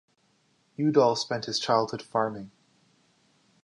Udall spent his childhood farming.